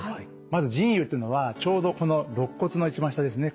まず腎兪というのはちょうどこのろっ骨の一番下ですね。